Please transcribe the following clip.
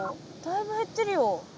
だいぶ減ってるよ。